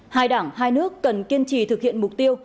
hai đảng hai nước cần kiên trì thực hiện mục tiêu